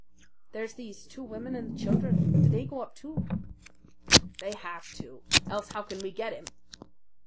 "There's these two women and the children. Do they go up too?" "They have to else how can we get him?"